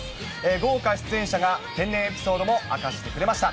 豪華出演者が天然エピソードも明かしてくれました。